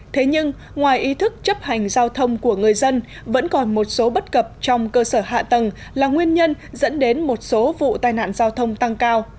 thế nhưng ngoài ý thức chấp hành giao thông của người dân vẫn còn một số bất cập trong cơ sở hạ tầng là nguyên nhân dẫn đến một số vụ tai nạn giao thông tăng cao